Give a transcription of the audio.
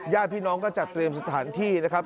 ญาติพี่น้องก็จัดเตรียมสถานที่นะครับ